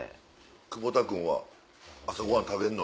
久保田君は朝ごはん食べるの？